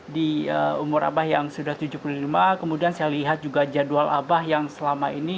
di umur abah yang sudah tujuh puluh lima kemudian saya lihat juga jadwal abah yang selama ini